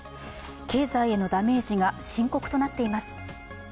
経済へのダメージが深刻となっています。